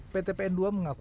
pt pn ii mengaku